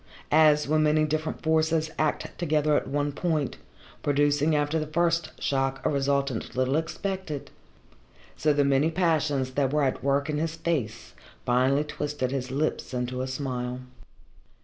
As when many different forces act together at one point, producing after the first shock a resultant little expected, so the many passions that were at work in his face finally twisted his lips into a smile.